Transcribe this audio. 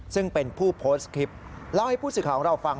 ซึ่งเป็นผู้โพสต์คลิปเล่าให้ผู้สื่อข่าวของเราฟัง